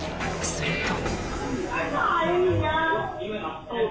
すると。